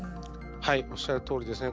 おっしゃるとおりです。